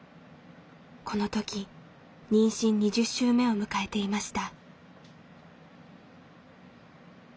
この時妊娠２０週目を迎えていました。